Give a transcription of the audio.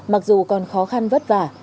mặc dù còn khó khăn vất vả